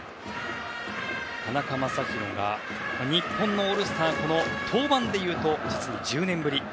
田中将大が日本のオールスターの登板でいうと実に１０年ぶり。